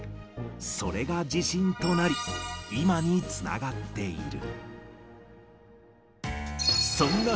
それが自信となり、今につながっている。